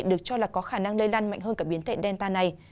được cho là có khả năng lây lan mạnh hơn cả biến thể delta này